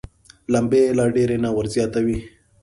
لمبې یې لا ډېرې نه وزياتوي.